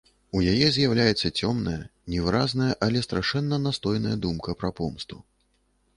У яе з'яўляецца цёмная, невыразная, але страшэнна настойная думка пра помсту.